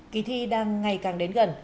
kỳ thi đang ngày càng đến gần